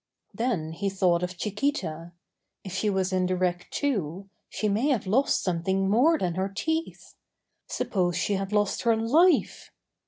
Then he thought of Chiquita. If she was in the wreck, too, she may have lost something more than her teeth. Suppose she had lost her life!